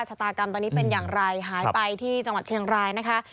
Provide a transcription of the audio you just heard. ชะตากรรมตอนนี้เป็นอย่างไรหายไปที่จังหวัดเชียงรายนะคะ